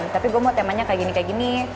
tapi gue mau temanya kayak gini kayak gini